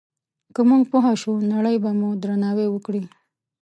که موږ پوه شو، نړۍ به مو درناوی وکړي.